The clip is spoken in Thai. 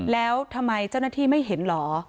แล้วทำไมเจ้าหน้าที่ไม่เห็นเหรอ